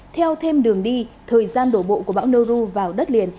theo thêm đường đi thời gian đổ bộ của bão noru vào đất liền